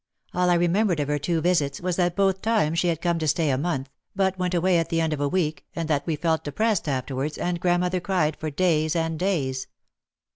All I re membered of her two visits, was that both times she had come to stay a month, but went away at the end of a week, and that we felt depressed afterwards, and grand mother cried for days and days.